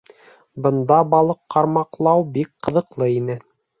Бында балыҡ ҡармаҡлауы бик ҡыҙыҡлы ине.